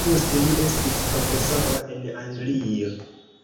Poste li estis profesoro en Anglio.